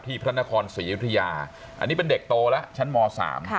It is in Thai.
ที่พัฒนาคอลศึกษยธิยาอันนี้เป็นเด็กโตแล้วชั้นมอ๓ค่ะ